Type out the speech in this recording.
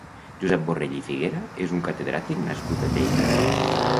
Josep Borrell i Figuera és un catedràtic nascut a Lleida.